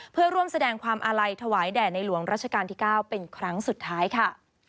เพื่อร่วมแสดงความอาลัยถวายแด่ในหลวงรัชกาลที่๙เป็นครั้งสุดท้ายค่ะ